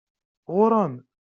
Ɣur-em!